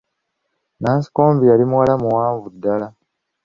Nansikombi yali muwala muwaanvu ddala.